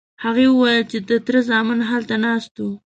هغې وویل چې د تره زامن هلته ناست وو.